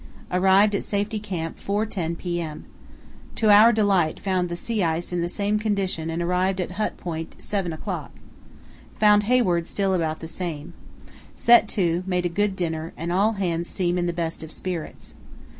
Arrived at Safety Camp 4.10 p.m. To our delight found the sea ice in the same condition and arrived at Hut Point at 7 o'clock. Found Hayward still about same. Set to, made a good dinner, and all hands seem in the best of spirits.